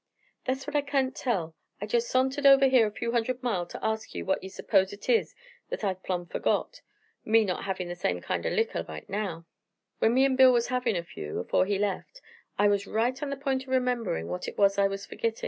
"That's what I kain't tell. I jest sorntered over here a few hunderd mile ter ask ye what ye s'pose it is that I've plumb fergot, me not havin' the same kind o' likker right now. "When me an' Bill was havin' a few afore he left I was right on the p'int o' rememberin' what it was I was fergittin'.